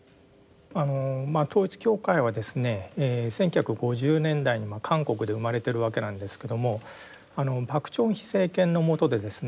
あの統一教会はですね１９５０年代に韓国で生まれてるわけなんですけども朴正煕政権の下でですね